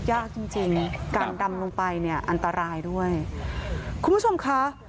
ยากจริงจริงการดำลงไปเนี่ยอันตรายด้วยคุณผู้ชมค่ะ